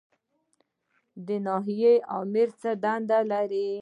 د ناحیې آمر څه دنده لري؟